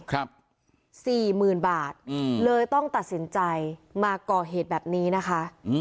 สี่หมื่นบาทอืมเลยต้องตัดสินใจมาก่อเหตุแบบนี้นะคะ